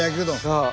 そう。